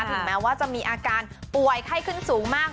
ถึงแม้ว่าจะมีอาการป่วยไข้ขึ้นสูงมาก